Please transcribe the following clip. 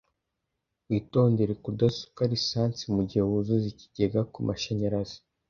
Witondere kudasuka lisansi mugihe wuzuza ikigega kumashanyarazi.